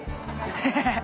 ハハハ。